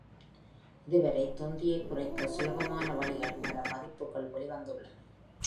இதுவரை தொந்தியைக் குறைக்க சுலபமான வழிகள் பல பதிப்புகள் வெளிவந்துள்ளன.